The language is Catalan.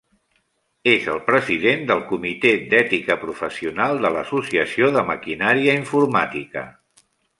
És el president del Comitè d'Ètica Professional de l'Associació de Maquinària Informàtica.